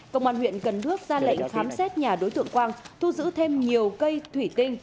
công an huyện cần đước ra lệnh khám xét nhà đối tượng quang thu giữ thêm nhiều cây thủy kinh